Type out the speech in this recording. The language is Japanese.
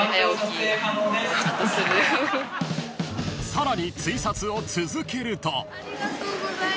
［さらにツイサツを続けると］